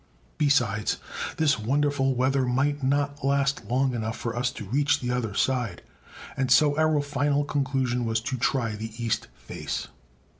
Besides, this wonderful weather might not last long enough for us to reach the other side. And so our final conclusion was to try the east face.